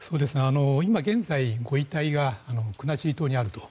今現在、ご遺体が国後島にあると。